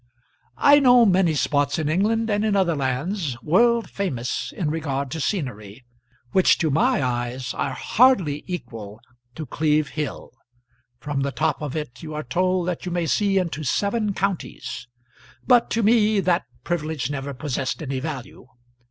I know many spots in England and in other lands, world famous in regard to scenery, which to my eyes are hardly equal to Cleeve Hill. From the top of it you are told that you may see into seven counties; but to me that privilege never possessed any value.